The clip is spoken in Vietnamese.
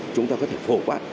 chúng ta có thể phổ quát